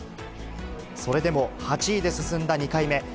それでも８位で進んだ２回目。